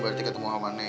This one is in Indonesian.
berarti ketemu sama nek